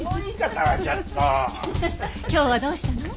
今日はどうしたの？